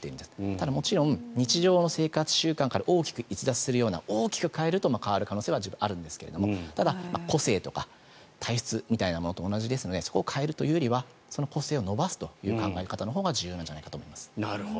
ただ、もちろん日常の生活習慣から大きく逸脱するような大きく変えると変わる可能性はあるんですが個性とか体質みたいなものと同じですのでそこを変えるというよりはその個性を伸ばすという考え方のほうが重要なんじゃないかと思います。